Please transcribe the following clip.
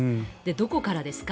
どこからですか？